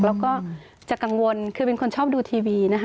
แล้วก็จะกังวลคือเป็นคนชอบดูทีวีนะคะ